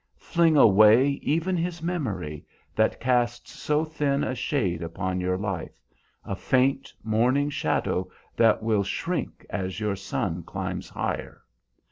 Fling away even his memory, that casts so thin a shade upon your life, a faint morning shadow that will shrink as your sun climbs higher.